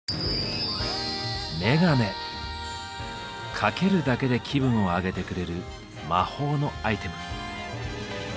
かけるだけで気分を上げてくれる「魔法のアイテム」。